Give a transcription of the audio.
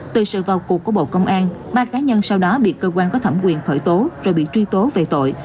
từ sự vào cuộc của bộ công an ba cá nhân sau đó bị cơ quan có thẩm quyền khởi tố rồi bị truy tố về tội